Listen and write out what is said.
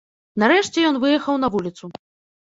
Нарэшце ён выехаў на вуліцу.